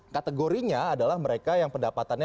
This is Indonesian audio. kategorinya adalah mereka yang pendapatannya